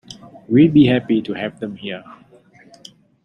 We'd be happy to have them here.